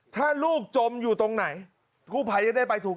ถ้าลูกจมอยู่ตรงไหนกู้ภัยจะได้ไปถูก